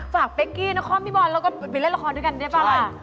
ฝากเป๊กกี้น้องค่อมพี่บอลเราก็ไปเล่นละครด้วยกันได้ปะล่ะค่ะ